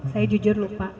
saya jujur lupa